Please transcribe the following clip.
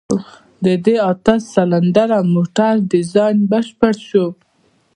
د دې اته سلنډره موټر ډيزاين بشپړ شو.